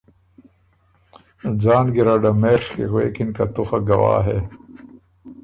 ځان ګیرډه مېڒ کی غوېکِن که ”تُو خه ګواه هې